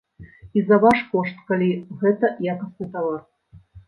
І за ваш кошт, калі гэта якасны тавар.